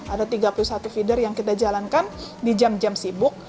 ada tiga puluh satu feeder yang kita jalankan di jam jam sibuk